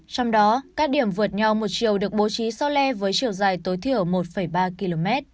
trong đó các điểm vượt nhau một chiều được bố trí so le với chiều dài tối thiểu một ba km